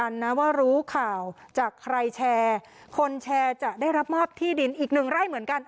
นะว่ารู้ข่าวจากใครแชร์คนแชร์จะได้รับมอบที่ดินอีกหนึ่งไร่เหมือนกัน